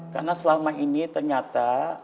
karena selama ini ternyata